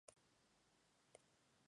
Maria Elsa Quiroga